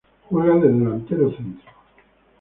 Juega de delantero centro.